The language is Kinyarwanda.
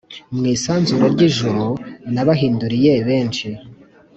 Mu isanzure ry ijuru n abahinduriye benshi